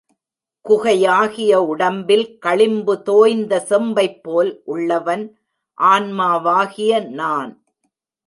குகையாகிய உடம்பில் களிம்பு தோய்ந்த செம்பைப் போல் உள்ளவன் ஆன்மாவாகிய நான்.